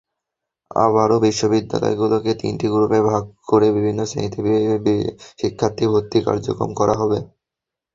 এবারও বিদ্যালয়গুলোকে তিনটি গ্রুপে ভাগ করে বিভিন্ন শ্রেণিতে শিক্ষার্থী ভর্তি কার্যক্রম করা হবে।